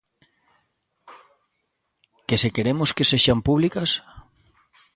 ¿Que se queremos que sexan públicas?